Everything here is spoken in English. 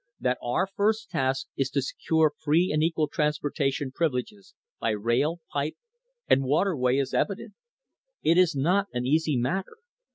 That our first task is to secure free and equal transporta tion privileges by rail, pipe and waterway is evident. It is not an easy matter.